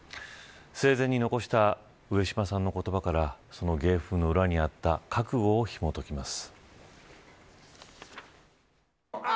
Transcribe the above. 生前に残した上島さんの言葉からその芸風の裏に覚悟をひも解きます。